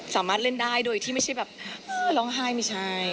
สามารถเล่นได้โดยที่ไม่ใช่แบบเออร้องไห้ไม่ใช่